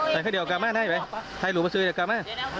ดูเยอะกับไหม